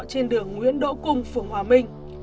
trên đường nguyễn đỗ cùng phường hòa minh